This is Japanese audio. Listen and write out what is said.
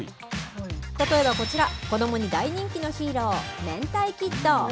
例えばこちら、子どもに大人気のヒーロー、めんたい☆キッド。